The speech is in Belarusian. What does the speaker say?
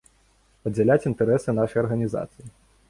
Падзяляць інтарэсы нашай арганізацыі.